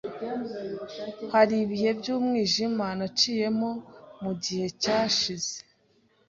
Hari ibihe by’umwijima naciyemo mugihe cyashize